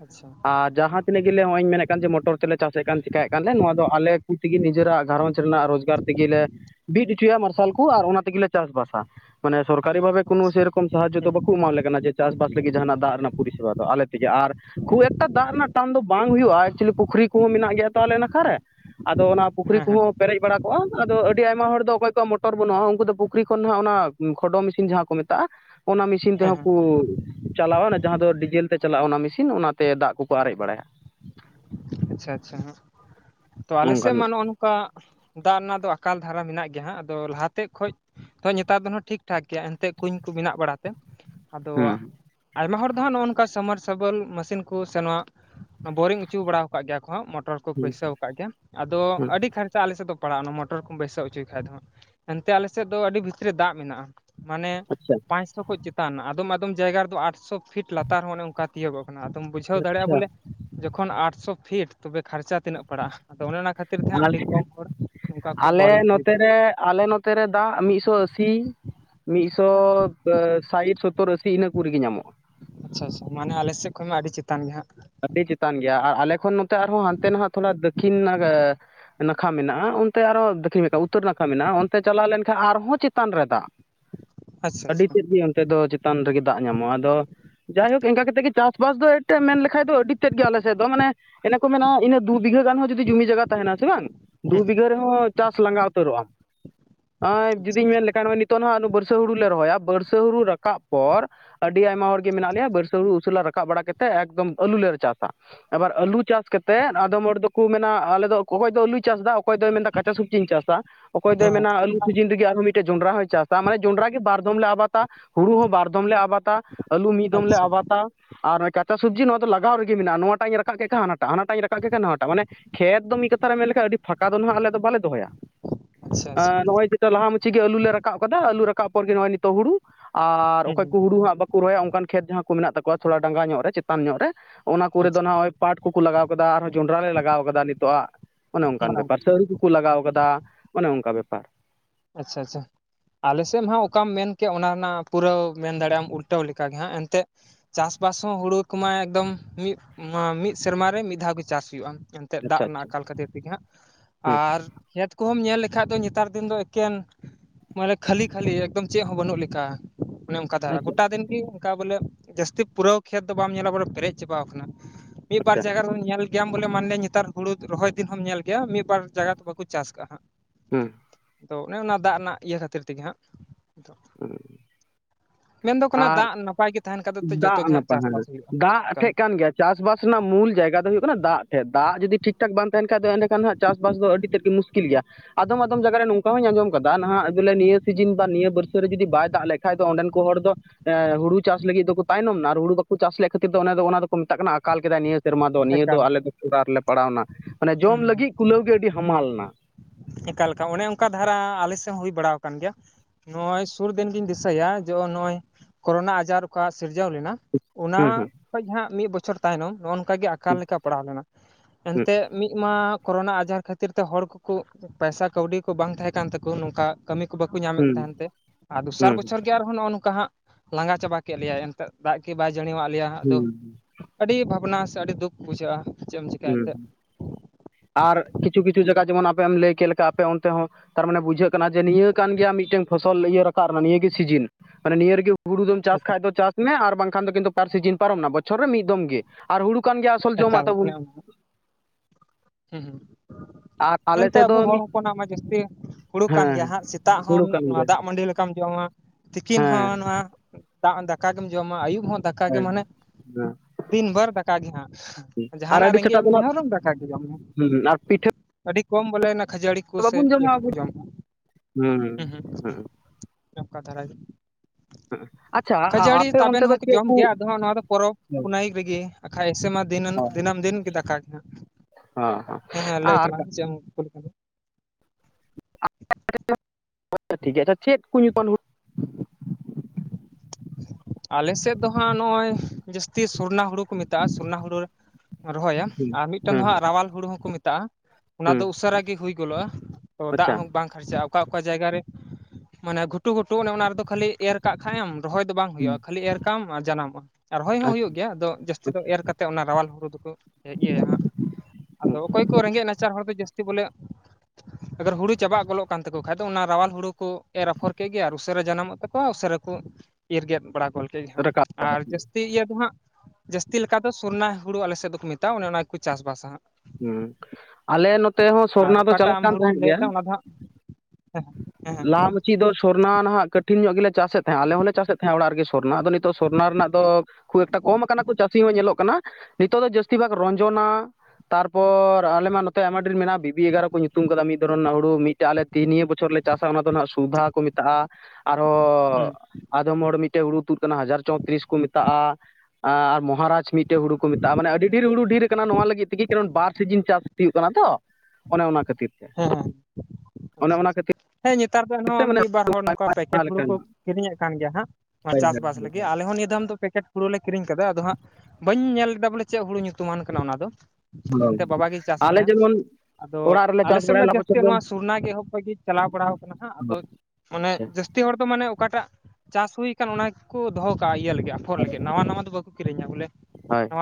ᱟᱪ-ᱪᱷᱟ ᱾ ᱟᱨ ᱡᱟᱦᱟᱸ ᱛᱤᱱᱟᱹᱜ ᱜᱮᱞᱮ ᱦᱚᱜ-ᱚᱭᱤᱧ ᱢᱮᱱᱮᱫ ᱠᱟᱱ ᱡᱮ ᱢᱚᱴᱚᱨ ᱛᱮᱞᱮ ᱪᱟᱥᱮᱫ ᱠᱟᱱ ᱪᱮᱠᱟᱹᱭᱮᱫ ᱠᱟᱱ ᱞᱮ ᱱᱚᱣᱟ ᱫᱚ ᱟᱞᱮ ᱛᱤᱜᱤ ᱱᱤᱡᱮᱨᱟᱜ ᱜᱷᱟᱨᱚᱸᱡᱽ ᱨᱮᱱᱟᱜ ᱨᱳᱡᱽᱜᱟᱨ ᱛᱮᱜᱮ ᱞᱮ ᱵᱤᱫ ᱦᱚᱪᱚᱭᱟ ᱢᱟᱨᱥᱟᱞ ᱠᱚ ᱟᱨ ᱚᱱᱟ ᱛᱮᱜᱮᱞᱮ ᱪᱟᱥᱵᱟᱥᱟ ᱢᱟᱱᱮ ᱥᱚᱨᱠᱟᱨᱤ ᱵᱷᱟᱵᱮ ᱠᱳᱱᱳ ᱥᱮᱭᱨᱚᱠᱚᱢ ᱟᱨ ᱡᱚᱛᱚ ᱦᱮᱸ ᱦᱮᱸ ᱵᱟᱠᱚ ᱮᱢᱟᱞᱮ ᱠᱟᱱᱟ ᱡᱮ ᱪᱟᱥᱵᱟᱥ ᱞᱟᱹᱜᱤᱫ ᱡᱟᱦᱟᱱᱟᱜ ᱫᱟᱜ ᱨᱮᱱᱟᱜ ᱯᱚᱨᱤᱥᱮᱵᱟ ᱫᱚ ᱟᱞᱮ ᱛᱮᱜᱮ ᱟᱨ ᱠᱷᱩᱵ ᱮᱠᱴᱟ ᱫᱟᱜ ᱨᱮᱱᱟᱜ ᱴᱟᱱ ᱫᱚ ᱵᱟᱝ ᱦᱩᱭᱩᱜᱼᱟ, ᱮᱠᱪᱩᱭᱮᱞᱤ ᱯᱩᱠᱷᱨᱤ ᱠᱚᱦᱚᱸ ᱢᱮᱱᱟᱜ ᱜᱮᱭᱟ ᱛᱚ ᱟᱞᱮ ᱱᱟᱠᱷᱟ ᱨᱮ ᱟᱫᱚ ᱚᱱᱟ ᱯᱩᱠᱷᱨᱤ ᱦᱮᱸ ᱠᱚᱦᱚᱸ ᱯᱮᱨᱮᱡ ᱵᱟᱲᱟ ᱠᱚ-ᱟ ᱟᱫᱚ ᱟᱹᱰᱤ ᱟᱭᱢᱟ ᱦᱚᱲ ᱫᱚ ᱚᱠᱚᱭ ᱠᱚᱣᱟᱜ ᱢᱚᱴᱚᱨ ᱵᱟᱹᱱᱩᱜᱼᱟ ᱩᱱᱠᱩ ᱫᱚ ᱯᱩᱠᱷᱨᱤ ᱠᱷᱚᱱᱜᱮ ᱦᱟᱸᱜ ᱚᱱᱟ ᱠᱷᱚᱰᱚ ᱢᱮᱥᱤᱱ ᱡᱟᱦᱟᱸ ᱠᱚ ᱢᱮᱛᱟᱜᱼᱟ ᱚᱱᱟ ᱢᱮᱥᱤᱱ ᱛᱮᱦᱚᱸ ᱦᱮᱸ ᱠᱚ ᱪᱟᱞᱟᱣᱟ ᱡᱟᱦᱟᱸ ᱫᱚ ᱰᱤᱡᱮᱞ ᱛᱮ ᱪᱟᱞᱟᱜᱼᱟ ᱚᱱᱟ ᱢᱮᱥ ᱥᱤᱱ ᱚᱱᱟᱛᱮ ᱫᱟᱜ ᱠᱚᱠᱚ ᱟᱨᱮᱡ ᱵᱟᱲᱟᱭᱟ ᱾ ᱟᱪ-ᱪᱷᱟ ᱟᱪ-ᱪᱷᱟ, ᱛᱚ ᱟᱞᱮ ᱥᱮᱫ ᱱᱚᱝᱠᱟᱱ ᱢᱟ ᱱᱚ ᱠᱟ ᱫᱟᱜ ᱨᱮᱱᱟᱜ ᱫᱚ ᱟᱠᱟᱞ ᱫᱷᱟᱨᱟ ᱢᱮᱱᱟᱜ ᱜᱮᱭᱟ ᱦᱟᱸᱜ ᱟᱫᱚ ᱞᱟᱦᱟᱛᱮ ᱠᱷᱚᱡ ᱛᱚ ᱱᱮᱛᱟᱨ ᱫᱚ ᱦᱟᱸᱜ ᱴᱷᱤᱠ ᱴᱷᱟᱠ ᱜᱮᱭᱟ ᱮᱱᱛᱮᱫ ᱠᱩᱧ ᱠᱚ ᱢᱮᱱᱟᱜ ᱵᱟᱲᱟ ᱛᱮ, ᱾ ᱟᱫᱚ ᱦᱩᱸ ᱟᱭᱢᱟ ᱦᱚᱲ ᱫᱚ ᱦᱟᱸᱜ ᱱᱚᱜ-ᱚ ᱱᱚᱝᱠᱟ ᱥᱟᱢᱟᱨᱥᱵᱮᱞ ᱢᱮᱥᱤᱱ ᱠᱚ ᱥᱮ ᱱᱚᱣᱟ ᱵᱳᱨᱤᱝ ᱾ ᱦᱚᱪᱩ ᱵᱟᱲᱟ ᱠᱟᱜ ᱜᱮᱭᱟ ᱢᱚᱴᱚᱨ ᱠᱚ ᱦᱩᱸ ᱵᱟᱹᱭᱥᱟᱹᱣ ᱠᱟᱜ ᱜᱮᱭᱟ ᱟᱫᱚ ᱦᱩᱸ ᱟᱹᱰᱤ ᱠᱷᱚᱨ ᱟᱞᱮ ᱥᱮᱫ ᱫᱚ ᱯᱟᱲᱟᱜᱼᱟ ᱚᱱᱟ ᱢᱚᱴᱚᱨ ᱠᱚᱢ ᱵᱟᱹᱭᱥᱟᱹᱣ ᱦᱚᱪᱚᱭ ᱠᱷᱟᱡ ᱫᱚ ᱮᱱᱛᱮ ᱟᱞᱮ ᱥᱮᱫ ᱫᱚ ᱟᱹᱰᱤ ᱵᱷᱤᱛᱤᱨ ᱨᱮ ᱫᱟᱜ ᱢᱮᱱᱟᱜᱼᱟ ᱾ ᱢᱟᱱᱮ, ᱟᱪᱪᱷᱟ ᱯᱟᱸᱪᱥᱚ ᱠᱷᱚᱡ ᱪᱮᱛ ᱪᱮᱛᱟᱱ, ᱟᱫᱚᱢ ᱟᱫᱚᱢ ᱡᱟᱭᱜᱟ ᱨᱮᱫᱚ ᱟᱴᱥᱚ ᱯᱷᱤᱴ ᱞᱟᱛᱟᱨ ᱦᱚᱸ ᱚᱱᱮ ᱚᱱᱠᱟ ᱛᱤᱭᱟᱹᱜᱚᱜ ᱠᱟᱱᱟ ᱟᱫᱚᱢ ᱵᱩᱡᱷᱟᱹᱣ ᱫᱟᱲᱮᱭᱟᱜᱼᱟ ᱟᱪᱪᱷᱟ ᱵᱚᱞᱮ ᱡᱚᱠᱷᱚᱱ ᱟᱴᱥᱚ ᱯᱷᱤᱴ ᱛᱚᱵᱮ ᱠᱷᱚᱨᱪᱟ ᱛᱤᱱᱟᱹᱜ ᱯᱟᱲᱟᱜᱼᱟ ᱟᱫᱚ ᱚᱱᱮ ᱚᱱᱟ ᱠᱷᱟᱹᱛᱤᱨ ᱛᱮ ᱦᱟᱸᱜ ᱟᱨ ᱟᱹᱰᱤ ᱠᱚᱢ ᱦᱚᱲ ᱱᱚᱱᱠᱟ ᱠᱚ ᱵᱳᱨᱤᱝ ᱦᱚᱪᱚᱭᱟ ᱾ ᱛᱮ ᱨᱮ ᱫᱟᱜ ᱢᱤᱫᱥᱚ ᱟᱥᱤ ᱢᱤᱫᱥᱚ ᱥᱟᱭᱴ ᱥᱚᱛᱛᱳᱨ ᱟᱥᱤ ᱤᱱᱟᱹ ᱠᱚᱨᱮᱜᱮ ᱧᱟᱢᱚᱜᱼᱟ ᱾ ᱟᱪ-ᱪᱷᱟ ᱟᱪ-ᱪᱷᱟ, ᱢᱟᱱᱮ ᱟᱞᱮᱥᱮᱫ ᱠᱷᱚᱱ ᱢᱟ ᱟᱹᱰᱤ ᱪᱮᱛᱟᱱ ᱜᱮ ᱦᱟᱸᱜ ᱾ ᱟᱹᱰᱤ ᱪᱮᱛᱟᱱ ᱜᱮᱭᱟ ᱟᱨ ᱟᱞᱮ ᱠᱷᱚᱱ ᱱᱚᱛᱮ ᱟᱨᱦᱚᱸ ᱦᱟᱱᱛᱮ ᱱᱟᱜ ᱛᱷᱚᱲᱟ ᱫᱚᱠᱷ ᱠᱤᱱ ᱱᱟᱜᱟᱨ ᱱᱟᱠᱷᱟ ᱢᱮᱱᱟᱜᱼᱟ ᱚᱱᱛᱮ ᱟᱨᱦᱚ ᱫᱚᱠᱷᱤ ᱱᱟᱠᱷᱟ ᱩᱛᱛᱚᱨ ᱱᱟᱠᱷᱟ ᱢᱮᱱᱟᱜᱼᱟ ᱚᱱᱛᱮ ᱪᱟᱞᱟᱣ ᱞᱮᱱ ᱠᱟ ᱟᱨᱦᱚᱸ ᱪᱮᱛᱟᱱ ᱨᱮ ᱫᱟᱜ ᱟᱪᱪᱷᱟ ᱟᱹᱰᱤ ᱟᱪᱪᱷᱟ ᱛᱮᱫ ᱜᱮ ᱚᱱᱛᱮ ᱫᱚ ᱪᱮ ᱛᱟᱱ ᱨᱮᱜᱮ ᱫᱟᱜ ᱧᱟᱢᱚᱜ-ᱟ ᱟᱫᱚ ᱡᱟᱭᱦᱳᱠ ᱮᱝᱠᱟ ᱠᱟᱛᱮ ᱜᱮ ᱪᱟᱥᱵᱟᱥ ᱫᱚ ᱮᱴᱮᱜ ᱢᱮᱱ ᱞᱮ ᱠᱷᱟᱡ ᱫᱚ ᱟᱹᱰᱤ ᱛᱮᱫ ᱜᱮ ᱟᱞᱮᱥᱮᱫ ᱫᱚ ᱢᱟᱱᱮ ᱮᱱᱮ ᱠᱚ ᱢᱮᱱᱟ ᱤᱱᱟᱹ ᱫᱩ ᱵᱤᱜᱷᱟᱹ ᱜᱟᱱ ᱦᱚᱸ ᱡᱩᱫᱤ ᱡᱩᱢᱤ ᱡᱟᱜᱟ ᱛᱟᱦᱮᱱᱟ ᱥᱮ ᱵᱟᱝ ᱫᱩ ᱦᱮᱸ ᱦᱮᱸ ᱵᱤᱜᱷᱟᱹ ᱨᱮᱦᱚᱸ ᱪᱟᱥ ᱞᱟᱸᱜᱟ ᱩᱛᱟᱹᱨᱚᱜ ᱟᱢ᱾ ᱟᱭ ᱡᱩᱫᱤᱧ ᱦᱮᱸ ᱢᱮᱱ ᱞᱮᱠᱷᱟᱡ ᱱᱚᱜ ᱚᱭ ᱱᱤᱛᱚᱜ ᱱᱦᱟᱜ ᱵᱟᱹᱨ ᱥᱟᱹ ᱦᱩᱲᱩ ᱞᱮ ᱨᱚᱦᱚᱭᱟ ᱵᱟᱹᱲᱥᱟᱹ ᱦᱩᱲᱩ ᱨᱟᱠᱟᱵ ᱯᱚᱨ ᱟᱹᱰᱤ ᱟᱭᱢᱟ ᱦᱚᱲ ᱜᱮ ᱢᱮᱱᱟᱜ ᱞᱮᱭᱟ ᱵᱟᱹᱨᱥᱟᱹ ᱦᱩᱲᱩ ᱩᱥᱩᱞᱟ ᱨᱟᱠᱟᱵ ᱵᱟᱲᱟ ᱠᱮᱛ ᱛᱮ ᱮᱠᱫᱚᱢ ᱟᱹᱞᱩ ᱪᱟᱥ ᱟ᱾ ᱟᱵᱟᱨ ᱟᱹᱞᱩ ᱪᱟᱥ ᱠᱮᱛᱮᱫ ᱟᱫᱚᱢ ᱦᱚᱴ ᱫᱚᱠᱚ ᱢᱮᱱᱟ ᱟᱞᱮ ᱫᱚ ᱚᱠᱚᱭ ᱫᱚ ᱟᱹᱞᱩ ᱪᱟᱥ ᱫᱟ ᱚᱠᱚᱭ ᱫᱚᱭ ᱢᱮᱱᱫᱟ ᱠᱟᱸᱪᱟ ᱥᱩᱵᱽᱡᱤᱧ ᱪᱟᱥᱟ ᱚᱠᱚᱭ ᱫᱚᱭ ᱦᱮᱸ ᱢᱮᱱᱟ ᱟᱹᱞᱩ ᱥᱤᱡᱤᱱ ᱨᱤᱜᱤ ᱟᱨᱦᱚᱸ ᱢᱤᱫᱴᱮᱡ ᱡᱚᱸᱰᱨᱟ ᱦᱚᱸᱭ ᱪᱟᱸᱥᱟ ᱢᱟᱱᱮ ᱡᱚᱸᱰᱨᱟ ᱜᱮ ᱵᱟᱨᱫᱚᱢ ᱞᱮ ᱟᱵᱟᱛᱟ ᱦᱩᱲᱩ ᱦᱚᱸ ᱵᱟᱨ ᱫᱚᱢ ᱞᱮ ᱟᱵᱟᱛᱟ᱾ ᱟᱹᱞᱩ ᱢᱤᱜ ᱫᱚᱢ ᱞᱮ ᱟᱪᱪᱷᱟ ᱟᱵᱟᱛᱟ ᱟᱨ ᱱᱚᱭ ᱠᱟᱸᱪᱟ ᱥᱩᱵᱽᱡᱤ ᱱᱚ ᱞᱟᱜᱟᱣ ᱨᱤᱜᱤ ᱢᱮᱱᱟᱜ-ᱟ ᱱᱚᱣᱟᱴᱟᱜ ᱤᱧ ᱨᱟᱠᱟᱵ ᱠᱮᱜ ᱠᱷᱟ ᱦᱟᱱᱟᱴᱟᱜ ᱦᱟᱱᱟᱴᱟᱜ ᱤᱧ ᱨᱟᱠᱟᱵ ᱠᱮ ᱠᱷᱟ ᱱᱟᱣᱟᱴᱟᱜ ᱢᱟᱱᱮ ᱠᱷᱮᱛ ᱫᱚ ᱢᱤᱜ ᱠᱟᱛᱷᱟᱨᱮ ᱢᱮᱱ ᱞᱮᱠᱷᱟᱡ ᱟᱹᱰᱤ ᱯᱷᱟᱸᱠᱟ ᱫᱚ ᱱᱦᱟᱜ ᱟᱞᱮ ᱫᱚ ᱵᱟᱞᱮ ᱫᱚᱦᱚᱭᱟ᱾ ᱟᱪᱪᱷᱟ ᱟᱪᱪᱷᱟ ᱮᱸᱻ ᱱᱚᱜ-ᱚᱭ ᱡᱮᱴᱟ ᱞᱟᱦᱟ ᱢᱩᱪᱷᱤ ᱜᱮ ᱟᱹᱞᱩ ᱞᱮ ᱨᱟᱠᱟᱵ ᱠᱟᱫᱟ ᱟᱹᱞᱩ ᱨᱟᱠᱟᱵ ᱯᱚᱨ ᱜᱮ ᱱᱚᱜ-ᱚᱭ ᱱᱤᱛᱚᱜ ᱦᱩᱲᱩ ᱟᱨ ᱦᱩᱸ ᱚᱠᱚᱭ ᱦᱩᱸ ᱠᱩ ᱦᱩᱲᱩ ᱦᱟᱸᱜ ᱵᱟᱠᱩ ᱨᱚᱦᱚᱭᱟ ᱚᱝᱠᱟᱱ ᱠᱷᱮᱛ ᱡᱟᱦᱟᱸ ᱠᱚ ᱢᱮᱱᱟᱜ ᱛᱟᱠᱚᱣᱟ ᱛᱷᱚᱲᱟ ᱰᱟᱸᱜᱟ ᱧᱚᱜ ᱨᱮ ᱪᱮᱛᱟᱱ ᱧᱚᱜ ᱨᱮ ᱚᱱᱟ ᱠᱩᱨᱮ ᱫᱚ ᱟᱪᱪᱷᱟ ᱱᱦᱟᱜ ᱚᱭ ᱯᱟᱴ ᱠᱚᱠᱩ ᱞᱟᱜᱟᱣ ᱠᱮᱫᱟ ᱟᱨᱦᱚᱸ ᱡᱚᱸᱰᱨᱟ ᱞᱮ ᱞᱟᱜᱟᱣ ᱠᱟᱫᱟ ᱱᱤᱛᱚ-ᱟᱜ ᱚᱱᱮ ᱚᱝᱠᱟᱱ ᱦᱩᱸ ᱦᱩᱸ, ᱵᱮᱯᱟᱨ ᱥᱟᱹᱤᱨᱜᱤ ᱠᱩ ᱞᱟᱜᱟᱣ ᱠᱟᱫᱟ ᱚᱱᱮ ᱚᱝᱠᱟ ᱵᱮᱯᱟᱨ᱾ ᱟᱪᱪᱷᱟ ᱪᱷᱟ ᱟᱞᱮ ᱥᱮᱱ ᱦᱚᱸ ᱚᱠᱟᱢ ᱢᱮᱱ ᱠᱮᱜ ᱚᱱᱟ ᱨᱮᱱᱟᱜ ᱯᱩᱨᱟᱹᱣ ᱢᱮᱱ ᱫᱟᱲᱮᱜ-ᱟᱢ ᱩᱞᱴᱟᱹᱣ ᱞᱮᱠᱟᱜᱮ ᱦᱟᱸᱜ ᱮᱱᱛᱮᱜ ᱪᱟᱥᱵᱟᱥ ᱦᱚᱸ ᱦᱩᱲᱩ ᱠᱚᱢᱟ ᱮᱠᱫᱚᱢ ᱢᱤᱜ ᱢᱤᱜ ᱥᱮᱨᱢᱟ ᱨᱮ ᱢᱤᱫ ᱫᱷᱟᱣ ᱜᱮ ᱪᱟᱥ ᱦᱩᱭᱩᱜ-ᱟ᱾ ᱛᱮᱫ ᱫᱟᱜ ᱟᱪᱪᱷᱟ ᱨᱮᱱᱟᱜ ᱟᱪᱪᱷᱟ ᱟᱠᱟᱞ ᱠᱷᱟᱹᱛᱤᱨ ᱛᱮᱜᱮ ᱦᱟᱸᱜ ᱦᱮᱸ ᱟᱨ ᱠᱷᱮᱛ ᱠᱚᱦᱚᱸᱢ ᱧᱮᱞ ᱞᱮᱠᱷᱟᱡ ᱫᱚ ᱱᱮᱛᱟᱨ ᱫᱤᱱ ᱫᱚ ᱮᱠᱮᱱ ᱢᱟᱱᱮ ᱠᱷᱟᱹᱞᱤ ᱠᱷᱟᱹᱞᱤ ᱮᱠᱫᱚᱢ ᱪᱮᱜ ᱦᱚᱸ ᱵᱟᱹᱱᱩᱜ ᱞᱮᱠᱟ᱾ ᱚᱱᱮ ᱚᱝᱠᱟ ᱫᱷᱟᱨᱟ ᱟᱪᱪᱷᱟ ᱜᱚᱴᱟ ᱫᱤᱱᱜ ᱜᱮ ᱚᱝᱠᱟ ᱵᱚᱞᱮ ᱡᱟᱹᱥᱛᱤ ᱯᱩᱨᱟᱹᱣ ᱠᱷᱮᱛ ᱫᱚ ᱵᱟᱢ ᱧᱮᱞᱟ ᱵᱚᱞᱮ ᱯᱮᱨᱮᱡ ᱪᱟᱵᱟᱣ ᱠᱟᱱᱟ᱾ ᱢᱤᱜ ᱯᱟᱨ ᱟᱪᱪᱷᱟ ᱡᱟᱭᱜᱟ ᱨᱮᱫᱚᱢ ᱧᱮᱞ ᱠᱮᱭᱟᱢ ᱵᱚᱞᱮ ᱢᱟᱱᱞᱮ ᱱᱮᱛᱟᱨ ᱦᱩᱲᱩ ᱨᱚᱦᱚᱭ ᱫᱤᱱ ᱦᱚᱢ ᱧᱮᱞ ᱜᱮᱭᱟ ᱢᱤᱫ ᱵᱟᱨ ᱡᱟᱭᱜᱟ ᱫᱚ ᱵᱟᱠᱩ ᱪᱟᱥ ᱠᱟᱜ-ᱥ ᱦᱟᱸᱜ᱾ ᱦᱩᱸ ᱟᱫᱚ ᱚᱱᱮ ᱚᱱᱟ ᱫᱟᱜ ᱨᱮᱱᱟᱜ ᱤᱭᱟᱹ ᱠᱷᱟᱹᱛᱤᱨ ᱛᱮᱜᱮ ᱦᱟᱸᱜ᱾ ᱢᱮᱱᱫᱚ ᱠᱟᱱᱟ ᱟᱨ ᱫᱟᱜ ᱱᱟᱯᱟᱭ ᱜᱮ ᱛᱟᱦᱮᱱ ᱠᱷᱟᱡ ᱫᱚ ᱡᱚᱛᱚ ᱫᱟᱜ ᱜᱮ ᱦᱟᱸᱜ ᱱᱟᱯᱟᱭ ᱪᱟᱥ ᱦᱮᱸ ᱵᱟᱥ ᱦᱩᱭᱩᱜ-ᱟ ᱫᱟᱜ ᱠᱟ ᱴᱷᱮᱡ ᱠᱟᱱ ᱜᱮᱭᱟ ᱪᱟᱥᱵᱟᱥ ᱨᱮᱱᱟᱜ ᱢᱩᱞ ᱡᱟᱭᱜᱟ ᱫᱚ ᱦᱩᱭᱩᱜ ᱠᱟᱱᱟ ᱫᱟᱜ ᱴᱷᱮᱜ ᱫᱟᱜ ᱡᱩᱫᱤ ᱴᱷᱤᱠ ᱴᱷᱟᱠ ᱵᱟᱝ ᱛᱟᱦᱮᱱ ᱠᱷᱟᱡ ᱫᱚ ᱮᱸᱰᱮ ᱠᱷᱟᱱ ᱦᱟᱸᱜ ᱪᱟᱥᱵᱟᱥ ᱫᱚ ᱟᱹᱰᱤ ᱛᱮᱫ ᱜᱮ ᱢᱩᱥᱠᱤᱞ ᱜᱮᱭᱟ, ᱟᱫᱚᱢ ᱟᱫᱚᱢ ᱡᱟᱜᱟ ᱨᱮ ᱱᱚᱝᱠᱟ ᱦᱩᱸᱧ ᱟᱸᱡᱚᱢ ᱠᱟᱫᱟ ᱱᱟᱦᱟᱜ ᱵᱚᱞᱮ ᱱᱤᱭᱟᱹ ᱥᱤᱡᱤᱱ ᱵᱟ ᱱᱤᱭᱟᱹ ᱵᱟᱹᱨᱥᱟᱹ ᱨᱮ ᱡᱩᱫᱤ ᱵᱟᱭ ᱫᱟᱜ ᱞᱮᱠᱟᱡ ᱫᱚ ᱚᱸᱰᱮᱱ ᱠᱩ ᱦᱚᱲ ᱫᱚ ᱮ ᱦᱩᱲᱩ ᱪᱟᱥ ᱞᱟᱹᱜᱤᱫ ᱫᱚᱠᱚ ᱛᱟᱭᱱᱚᱢ ᱱᱟ ᱟᱨ ᱦᱩᱲᱩ ᱵᱟᱠᱚ ᱪᱟᱥ ᱞᱮᱜ ᱠᱷᱟᱹᱛᱤᱨ ᱫᱚ ᱚᱱᱮ ᱚᱱᱟ ᱫᱚᱠᱚ ᱢᱮᱛᱟᱜ ᱠᱟᱱᱟ ᱟᱠᱟᱞ ᱠᱮᱫᱟᱭ ᱱᱤᱭᱟᱹ ᱥᱮᱨᱢᱟ ᱫᱚ ᱱᱤᱭᱟᱹ ᱫᱚ ᱮᱠᱟᱞ ᱟᱞᱮ ᱫᱚ ᱠᱷᱚᱨᱟᱨ ᱞᱮ ᱯᱟᱲᱟᱣᱱᱟ ᱢᱟᱱᱮ ᱦᱩᱸ ᱡᱚᱢ ᱦᱩᱸ ᱦᱩᱸ ᱞᱟᱹᱜᱤᱜ ᱠᱩᱞᱟᱹᱣ ᱜᱮ ᱟᱹᱰᱤ ᱦᱟᱢᱟᱞ ᱱᱟ᱾ ᱮᱠᱟᱞ ᱠᱟ ᱚᱱᱮ ᱚᱝᱠᱟ ᱫᱷᱟᱨᱟ ᱟᱞᱮ ᱥᱮ ᱦᱚᱸ ᱦᱩᱭ ᱵᱟᱲᱟᱣ ᱠᱟᱱ ᱜᱮᱭᱟ᱾ ᱱᱚᱜ-ᱚᱭ ᱥᱩᱨ ᱫᱤᱱ ᱜᱤᱧ ᱫᱤᱥᱟᱹᱭᱟ ᱡᱮ ᱱᱚᱜ-ᱚᱭ ᱠᱚᱨᱳᱱᱟ ᱟᱡᱟᱨ ᱚᱠᱟ ᱥᱤᱨᱡᱟᱹᱣ ᱞᱮᱱᱟ ᱚᱱᱟ ᱦᱩᱸ ᱦᱩᱸ ᱠᱷᱚᱡ ᱦᱟᱸᱜ ᱢᱤᱜ ᱵᱚᱪᱷᱚᱨ ᱛᱟᱭᱱᱚᱢ ᱱᱚᱜᱚᱱ ᱠᱟᱜᱮ ᱟᱠᱟᱞ ᱞᱮᱠᱟ ᱯᱟᱲᱟᱣ ᱞᱮᱱᱟ ᱦᱩᱸ ᱮᱱᱛᱮᱜ ᱢᱤᱜ ᱢᱟ ᱠᱚᱨᱚᱱᱟ ᱟᱡᱟᱨ ᱠᱷᱟᱹᱛᱤᱨ ᱛᱮ ᱦᱚᱲ ᱠᱚ ᱠᱩᱜ ᱯᱟᱭᱥᱟ ᱠᱟᱹᱣᱰᱤ ᱠᱚ ᱵᱟᱝ ᱛᱟᱦᱮᱸ ᱠᱟᱱ ᱛᱮᱠᱩ ᱱᱚᱝᱠᱟ ᱠᱟᱹᱢᱤ ᱠᱩ ᱵᱟᱠᱚ ᱧᱟᱢᱮᱜ ᱦᱩᱸ ᱛᱟᱦᱮᱱ ᱛᱮ ᱟᱨ ᱫᱚᱥᱟᱨ ᱦᱩᱸ ᱦᱩᱸ ᱵᱚᱪᱷᱚᱨ ᱠᱮ ᱟᱨᱦᱚᱸ ᱱᱚᱜ-ᱚ ᱱᱚᱠᱟ ᱦᱟᱸᱜ ᱞᱟᱸᱜᱟ ᱪᱟᱵᱟ ᱠᱮᱫ ᱞᱮᱭᱟᱭ ᱮᱱᱛᱮᱫ ᱫᱟᱜ ᱜᱮ ᱵᱟᱭ ᱡᱟᱹᱲᱤᱩᱣᱟᱜ ᱞᱮᱭᱟ ᱦᱟᱜ ᱟᱫᱚ ᱦᱩᱸ ᱦᱩᱸ ᱟᱹᱰᱤ ᱵᱷᱟᱱᱟ ᱥᱮ ᱟᱹᱰᱤ ᱫᱩᱠ ᱵᱩᱡᱷᱟᱹᱜ-ᱟ᱾ ᱦᱩᱸ ᱦᱩᱸ ᱟᱨ ᱠᱤᱪᱷᱩ ᱠᱤᱪᱷᱩ ᱡᱟᱜᱟ ᱡᱮᱢᱚᱱ ᱟᱯᱮᱭᱟᱢ ᱞᱟᱹᱭ ᱠᱮᱜ ᱞᱮᱠᱟ ᱟᱯᱮ ᱚᱱᱛᱮ ᱦᱚᱸ ᱛᱟᱨᱢᱟᱱᱮ ᱵᱩᱡᱷᱟᱹᱜ ᱠᱟᱱᱟ ᱡᱮ ᱱᱤᱭᱟᱹ ᱠᱟᱱ ᱜᱮᱭᱟ ᱢᱤᱫᱴᱮᱱ ᱯᱷᱚᱥᱚᱞ ᱤᱭᱟᱹ ᱨᱟᱠᱟᱵ ᱱᱤᱭᱟᱹ ᱜᱮ ᱥᱤᱡᱤᱱ ᱢᱟᱱᱮ ᱱᱤᱭᱟᱹ ᱨᱮᱜᱮ ᱦᱩᱲᱩ ᱫᱚᱢ ᱪᱟᱥ ᱠᱷᱟᱡ ᱫᱚ ᱪᱟᱥ ᱢᱮ ᱟᱨ ᱵᱟᱝᱠᱷᱟᱱ ᱫᱚ ᱠᱤᱱᱛᱩ ᱯᱟᱨ ᱥᱤᱡᱤᱱ ᱯᱟᱨᱚᱢᱱᱟ ᱵᱚᱪᱷᱚᱨ ᱨᱮ ᱢᱤᱫ ᱫᱚᱢ ᱜᱮ᱾ ᱟᱨ ᱦᱩᱲᱩ ᱠᱟᱱ ᱜᱮᱭᱟ ᱟᱥᱚᱞ ᱡᱚᱢᱟᱜ ᱮᱠᱟᱞ ᱚᱱᱮ ᱛᱟᱹᱵᱚᱱ ᱾ ᱚᱱᱟ ᱟᱨ ᱦᱩᱸ ᱟᱞᱮ ᱮᱱᱛᱮ ᱥᱮᱫ ᱟᱵᱚ ᱫᱚ ᱦᱚᱲ ᱢᱤᱫ ᱦᱚᱯᱚᱱᱟᱜ ᱢᱟ ᱡᱟᱹᱥᱛᱤ ᱦᱩᱲᱩ ᱠᱟᱱ ᱦᱮᱸ ᱜᱮᱭᱟ ᱦᱮᱸ ᱦᱟᱸᱜ ᱥᱮᱛᱟᱜ ᱦᱚᱸ ᱦᱩᱲᱩ ᱠᱟᱱ ᱜᱮᱭᱟ ᱫᱟᱜ ᱢᱟᱹᱰᱤ ᱞᱮᱠᱟᱢ ᱡᱚᱢᱟ᱾ ᱛᱤᱠᱤᱱ ᱦᱚᱸ ᱦᱮᱸ ᱱᱚᱣᱟ ᱫᱟᱜ ᱫᱟᱠᱟ ᱜᱮᱢ ᱡᱚᱢᱟ ᱟᱹᱭᱩᱵ ᱦᱚᱸ ᱫᱟᱠᱟ ᱜᱮ ᱦᱮᱸ ᱢᱟᱱᱮ ᱦᱮᱸ ᱫᱤᱱ ᱵᱷᱟᱨ ᱫᱟᱠᱟ ᱜᱮ ᱦᱟᱸᱜ ᱟᱨ ᱡᱟᱦᱟᱱᱟᱜ ᱟᱹᱰᱤ ᱨᱮᱸᱜᱮᱡ ᱥᱮᱛᱟᱜ ᱮᱢ ᱫᱚ ᱱᱟᱜ ᱨᱮᱦᱚᱸ ᱫᱟᱠᱟ ᱜᱮ ᱡᱚᱢ ᱦᱩᱸ ᱟᱨ ᱯᱤᱴᱷᱟᱹ ᱟᱹᱰᱤ ᱠᱚᱢ ᱵᱚᱞᱮ ᱚᱱᱟ ᱠᱷᱟᱹᱡᱟᱹᱲᱤ ᱠᱚ ᱥᱮ ᱵᱟᱵᱚᱱ ᱤᱭᱟᱹ ᱡᱚᱢᱟ ᱠᱚᱠᱚ ᱟᱵᱚ ᱦᱩᱸ [unintelligible] ᱚᱱᱠᱟ ᱫᱷᱟᱨ ᱜᱮ ᱾ ᱦᱮᱸ᱾ ᱠᱷᱟᱹᱡᱟᱹᱲᱤ ᱛᱟᱵᱮᱱ ᱦᱚᱸᱠᱚ ᱡᱚᱢ ᱜᱮᱭᱟ ᱟᱫᱚ ᱦᱟᱸᱜ ᱱᱚᱣᱟ ᱫᱚ ᱯᱚᱨᱚᱵᱽ ᱦᱮᱸ ᱯᱩᱱᱟᱭ ᱨᱮᱜᱮ ᱟᱠᱷᱟᱡ ᱮᱥᱮ ᱢᱟ ᱫᱤᱱᱟᱹᱢ ᱫᱤᱱᱟᱹᱢ ᱫᱤᱱ ᱜᱮ ᱫᱟᱠᱟ ᱜᱮ ᱦᱚᱸ ᱦᱚᱸ᱾ ᱦᱮᱸ ᱦᱮᱸ ᱞᱟᱹᱭ ᱛᱟᱞᱟᱝ ᱪᱮᱫ ᱮᱢ ᱠᱩᱞᱤ ᱠᱟᱱᱟ᱾ ᱴᱷᱤᱠ ᱜᱮᱭᱟ ᱟᱪᱪᱷᱟ ᱪᱮᱫ ᱠᱚ ᱧᱩᱛᱩᱢ ᱟᱞᱮ ᱥᱮᱫ ᱫᱚ ᱦᱟᱸᱜ ᱱᱚᱜᱼᱚᱭ ᱡᱟᱹᱥᱛᱤ ᱥᱚᱨᱱᱟ ᱦᱩᱲᱩ ᱠᱚ ᱢᱮᱛᱟᱜᱼᱟ ᱥᱚᱨᱱᱟ ᱦᱩᱲᱩ ᱨᱚᱦᱚᱭᱟ᱾ ᱦᱩᱲᱩ ᱦᱩᱸ ᱟᱨ ᱢᱤᱫᱴᱟᱝ ᱫᱚ ᱦᱩᱸ ᱦᱟᱸᱜ ᱨᱟᱣᱟᱞ ᱦᱩᱲᱩ ᱦᱚᱸᱠᱚ ᱢᱮᱛᱟᱜᱼᱟ᱾ ᱚᱱᱟ ᱦᱩᱸ ᱫᱚ ᱩᱥᱟᱹᱨᱟ ᱜᱮ ᱦᱩᱭ ᱜᱚᱞᱚᱜᱼᱟ᱾ ᱛᱚ ᱫᱟᱜ ᱟᱪᱪᱷᱟ ᱦᱚᱸ ᱵᱟᱝ ᱠᱷᱟᱨᱪᱟ ᱚᱠᱟ ᱚᱠᱟ ᱡᱟᱭᱜᱟ ᱨᱮ ᱢᱟᱱᱮ ᱜᱷᱩᱴᱩ ᱜᱷᱩᱴᱩ ᱚᱱᱮ ᱚᱱᱟ ᱨᱮᱫᱚ ᱠᱷᱟ ᱮᱨ ᱠᱟᱜ ᱠᱷᱟᱡ ᱮᱢ ᱨᱚᱦᱚᱭ ᱵᱟᱝ ᱦᱩᱸ ᱦᱩᱭᱩᱜᱼᱟ ᱠᱷᱟᱹᱞᱤ ᱮᱨ ᱠᱟᱢ ᱟᱨ ᱡᱟᱱᱟᱢᱚᱜᱼᱟ᱾ ᱟᱨ ᱨᱚᱦᱚᱭ ᱦᱚᱸ ᱟᱪᱪᱷᱟ ᱦᱩᱭᱩᱜ ᱜᱮᱭᱟ ᱟᱫᱚ ᱡᱟᱹᱥᱛᱤ ᱫᱚ ᱮᱨ ᱠᱟᱛᱮ ᱚᱱᱟ ᱨᱟᱣᱟᱞ ᱦᱩᱲᱩ ᱫᱚᱠᱚ ᱤᱭᱟᱹᱭᱟ ᱦᱟᱸᱜ᱾ ᱟᱫᱚ ᱚᱠᱚᱭ ᱠᱚ ᱨᱮᱸᱜᱮᱡ ᱱᱟᱪᱟᱨ ᱦᱚᱲ ᱫᱚ ᱡᱟᱹᱥᱛᱤ ᱵᱚᱞᱮ ᱟᱜᱟᱨ ᱦᱩᱲᱩ ᱪᱟᱵᱟᱜ ᱜᱚᱞᱚᱜ ᱠᱟᱱ ᱛᱟᱠᱚ ᱠᱷᱟᱡ ᱫᱚ ᱚᱱᱟ ᱨᱟᱣᱟᱞ ᱦᱩᱲᱩ ᱠᱚ ᱮᱨ ᱨᱟᱯᱷᱚᱨ ᱠᱮᱫ ᱜᱮᱭᱟ᱾ ᱟᱨ ᱩᱥᱟᱹᱨᱟ ᱡᱟᱱᱟᱢᱚᱜ [unintelligible] ᱠᱚ ᱩᱥᱟᱹᱨᱟᱠᱚ ᱤᱨ ᱜᱮᱫ ᱵᱟᱲᱟ ᱜᱚᱞ ᱠᱮᱫ ᱜᱮ ᱦᱟᱸᱜ᱾ ᱨᱟᱠᱟᱵ ᱟᱨ ᱡᱟᱹᱥᱛᱤ ᱤᱭᱟᱹ ᱫᱚ ᱦᱟᱸᱜ ᱡᱟᱹᱥᱛᱤ ᱞᱮᱠᱟ ᱫᱚ ᱥᱚᱨᱱᱟ ᱦᱩᱲᱩ ᱟᱞᱮ ᱥᱮᱫ ᱫᱚᱠᱚ ᱢᱮᱟᱜᱼᱟ ᱚᱱᱮ ᱚᱱᱟ ᱠᱚ ᱪᱟᱥᱵᱟᱥᱼᱟ᱾ ᱦᱩᱸ ᱟᱞᱮ ᱱᱚᱛᱮ ᱦᱚᱸ ᱟᱨ ᱥᱚᱨᱱᱟ ᱫᱚ ᱚᱠᱟᱴᱟᱜ ᱪᱟᱞᱟᱜ ᱟᱢ ᱠᱟᱱ ᱦᱩᱲᱩᱢ ᱛᱟᱦᱮᱸᱫ ᱞᱟᱹᱭᱮᱫ ᱜᱮᱭᱟ᱾ ᱛᱟᱦᱮᱸ ᱚᱱᱟ ᱫᱚ ᱦᱟᱸᱜ ᱦᱮᱸ᱾ ᱦᱮᱸ ᱞᱟᱦᱟ ᱢᱟᱹᱪᱤ ᱫᱚ ᱥᱚᱨᱱᱟ ᱱᱟᱦᱟᱜ ᱠᱟᱹᱴᱤᱱ ᱧᱚᱜ ᱜᱮᱞᱮ ᱪᱟᱥᱮᱫ ᱛᱟᱦᱮᱸᱫ ᱟᱞᱮ ᱦᱚᱸᱞᱮ ᱪᱟᱥᱮᱫ ᱛᱟᱦᱮᱸᱜ ᱚᱲᱟᱜ ᱨᱮᱜᱮ᱾ ᱥᱚᱨᱱᱟ ᱟᱫᱚ ᱱᱤᱛᱚᱜ ᱥᱚᱨᱱᱟ ᱨᱮᱱᱟᱜ ᱫᱚ ᱠᱷᱩᱵ ᱮᱠᱴᱟ ᱠᱚᱢ ᱟᱠᱟᱱᱟ ᱠᱚ ᱪᱟᱹᱥᱤ ᱦᱚᱸ ᱧᱮᱞᱚᱜ ᱠᱟᱱᱟ᱾ ᱱᱤᱛᱚᱜ ᱫᱚ ᱡᱟᱹᱥᱛᱤ ᱵᱷᱟᱜᱽ ᱨᱚᱡᱚᱱᱟ ᱛᱟᱨᱯᱚᱨ ᱟᱞᱮ ᱢᱟ ᱱᱚᱛᱮ ᱟᱭᱢᱟ ᱰᱷᱤᱨ ᱢᱮᱱᱟᱜᱼᱟ ᱵᱤᱵᱤ ᱮᱜᱟᱨᱚ ᱠᱚ ᱧᱩᱛᱩᱢ ᱟᱠᱟᱫᱟ ᱢᱤᱫ ᱫᱷᱚᱨᱚᱱ ᱨᱮᱱᱟᱜ ᱦᱩᱲᱩ ᱢᱤᱫᱴᱮᱱ ᱟᱞᱮ ᱛᱤᱱᱤᱭᱟᱹ ᱵᱚᱪᱷᱚᱨ ᱞᱮ ᱪᱟᱥᱟ ᱚᱱᱟ ᱫᱚ ᱱᱟᱜ ᱥᱩᱫᱷᱟ ᱠᱚ ᱢᱮᱛᱟᱜᱼᱟ᱾ ᱟᱨᱚ ᱦᱮᱸ ᱟᱫᱚᱢ ᱦᱚᱲ ᱢᱤᱫᱴᱟᱹᱜ ᱦᱩᱲᱩ ᱛᱩᱫ ᱟᱠᱟᱱᱟ ᱦᱟᱡᱟᱨ ᱪᱳᱛᱨᱤᱥ ᱠᱚ ᱢᱮᱛᱟᱜᱼᱟ᱾ ᱟᱨ ᱢᱚᱦᱟᱨᱟᱡᱽ ᱢᱤᱫ ᱢᱤᱫᱴᱮ ᱦᱩᱲᱩ ᱢᱮᱛᱟᱜ ᱢᱟᱱᱮ ᱟᱹᱰᱤ ᱰᱷᱤᱨ ᱦᱩᱲᱩ ᱰᱷᱤᱨ ᱟᱠᱟᱱᱟ ᱱᱚᱣᱟ ᱞᱟᱹᱜᱤᱫ ᱛᱮᱜᱮ ᱠᱟᱨᱚᱱ ᱵᱟᱨ ᱥᱤᱡᱤᱱ ᱪᱟᱥ ᱛᱤᱭᱩᱜ ᱠᱟᱱᱟ ᱛᱚ ᱚᱱᱮ ᱚᱱᱟ ᱠᱷᱟᱹᱛᱤᱨ᱾ ᱛᱮ ᱦᱮᱸ ᱚᱱᱮ ᱚᱱᱟ ᱠᱷᱟᱹᱛᱤᱨ ᱦᱮᱸ᱾ ᱦᱮᱸ ᱱᱮᱛᱟᱨ ᱫᱚ ᱛᱮ ᱮᱱᱦᱚᱸ ᱢᱟᱱᱮ ᱢᱤᱫ ᱵᱟᱨ ᱦᱚᱲ ᱱᱚᱝᱠᱟ ᱯᱮᱠᱮᱴ ᱚᱱᱟ ᱦᱩᱲᱩ ᱞᱮᱠᱟᱱ ᱠᱚ ᱠᱤᱨᱤᱧᱮᱫ ᱠᱟᱱ ᱜᱮᱭᱟ ᱦᱟᱸᱜ᱾ ᱱᱚᱣᱟ ᱦᱳᱭ ᱪᱟᱥᱵᱟᱥ ᱞᱟᱹᱜᱤᱫ ᱦᱳᱭ ᱟᱞᱮ ᱦᱚᱸ ᱱᱤᱭᱟᱹ ᱫᱷᱟᱢ ᱫᱚ ᱯᱮᱠᱮᱴ ᱦᱩᱲᱩ ᱞᱮ ᱠᱤᱨᱤᱧ ᱠᱟᱫᱟ ᱟᱫᱚ ᱦᱟᱸᱜ ᱵᱟᱹᱧ ᱧᱮᱞ ᱞᱮᱫᱟ ᱵᱚᱞᱮ ᱪᱮᱫ ᱦᱩᱲᱩ ᱧᱩᱛᱩᱢᱟᱱ ᱠᱟᱱᱟ ᱚᱱᱟ ᱫᱚ᱾ ᱮᱱᱛᱮ ᱦᱳᱭ ᱵᱟᱵᱟ ᱜᱮ ᱪᱟᱥ ᱟᱞᱮ ᱵᱟᱲᱟᱭᱟ ᱡᱮᱢᱚᱱ ᱟᱫᱚ ᱚᱲᱟᱜ ᱨᱮᱞᱮ ᱟᱞᱮ ᱪᱟᱥ ᱥᱮᱫ ᱵᱟᱲᱟᱭᱟ ᱢᱟ ᱞᱟᱦᱟ ᱡᱟᱹᱥᱛᱤ ᱵᱚᱪᱷᱚᱨ ᱫᱚ ᱱᱚᱣᱟ ᱥᱩᱨᱱᱟ ᱜᱮ ᱮᱦᱚᱵ ᱠᱷᱚᱡ ᱜᱮ ᱪᱟᱞᱟᱣ ᱵᱟᱲᱟ ᱟᱠᱟᱱᱟ ᱦᱟᱸᱜ᱾ ᱟᱫᱚ ᱢᱟᱱᱮ ᱟᱪᱪᱷᱟ ᱡᱟᱥ ᱡᱟᱹᱥᱛᱤ ᱦᱚᱲ ᱫᱚ ᱢᱟᱱᱮ ᱚᱠᱟᱴᱟᱜ ᱪᱟᱥ ᱦᱩᱭᱠᱟᱱ ᱚᱱᱟ ᱜᱮᱠᱚ ᱫᱚᱦᱚ ᱠᱟᱜᱼᱟ ᱤᱭᱟᱹ ᱞᱟᱹᱜᱤᱫ ᱟᱯᱷᱚᱨ ᱞᱟᱹᱜᱤᱫ᱾ ᱱᱟᱣᱟ ᱱᱟᱣᱟ ᱫᱚ ᱠᱤᱨᱤᱧᱟ ᱵᱚᱞᱮ ᱦᱚᱭ᱾ ᱱᱟᱣᱟ